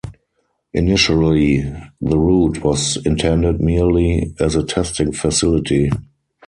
Initially, the route was intended merely as a testing facility.